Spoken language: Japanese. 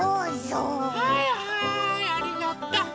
はいはいありがとう！